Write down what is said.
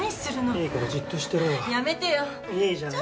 やめてよ！